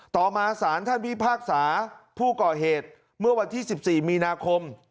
ต่อมาสารท่านพิพากษาผู้ก่อเหตุเมื่อวันที่๑๔มีนาคม